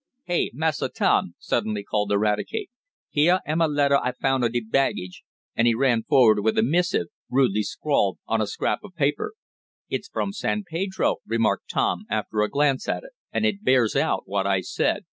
"Hey, Massa Tom!" suddenly called Eradicate. "Heah am a letter I found on de baggage," and he ran forward with a missive, rudely scrawled on a scrap of paper. "It's from San Pedro," remarked Tom after a glance at it, "and it bears out what I said.